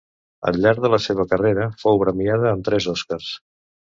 Al llarg de la seva carrera, fou premiada amb tres Oscars.